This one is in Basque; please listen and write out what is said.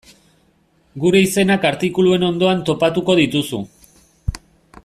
Gure izenak artikuluen ondoan topatuko dituzu.